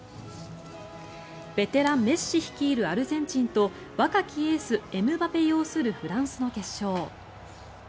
ベテラン、メッシ率いるアルゼンチンと若きエース、エムバペ擁するフランスの決勝。